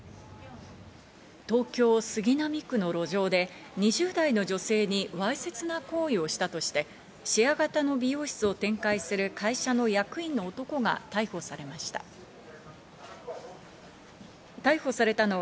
東京・杉並区の路上で２０代の女性にわいせつな行為をしたとして、シェア型の美容室を展開する会社の役員の男が逮捕されました。